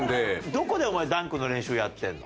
どこでお前ダンクの練習やってるの？